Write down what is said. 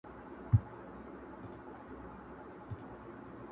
له هر یوه سره د غلو ډلي غدۍ وې دلته٫